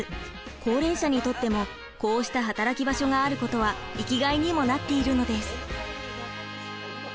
高齢者にとってもこうした働き場所があることは生きがいにもなっているのです。